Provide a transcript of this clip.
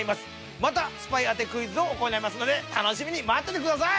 またスパイ当てクイズを行いますので楽しみに待っててください。